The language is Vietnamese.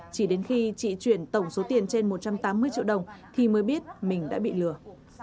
chỉ đến khi chị chuyển tổng số tiền trên một trăm tám mươi triệu đồng thì mới biết mình đã bị lừa